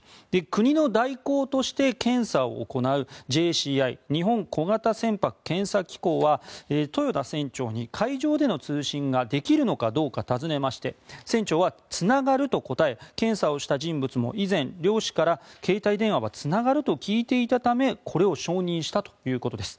国の代行として検査を行うＪＣＩ・日本小型船舶検査機構は豊田船長に海上での通信ができるのかどうかを尋ねまして船長はつながると答え検査をした人物も以前、漁師から携帯電話はつながると聞いていたためこれを承認したということです。